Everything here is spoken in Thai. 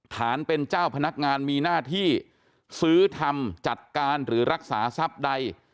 ฐานเป็นเจ้าพนักงานมีหน้าที่ซื้อทำจัดการหรือรักษาทรัพย์ใด